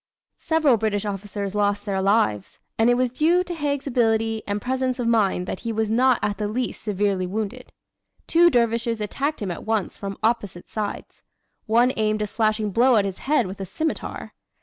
Several British officers lost their lives, and it was due to Haig's agility and presence of mind that he was not at the least severely wounded. Two dervishes attacked him at once from opposite sides. One aimed a slashing blow at his head with a scimitar.